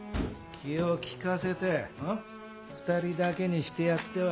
気を利かせて２人だけにしてやってはいかがか。